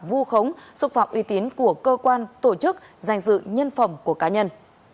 vua khống xúc phạm uy tín của cơ quan tổ chức giành dự nhân phẩm của cá nhân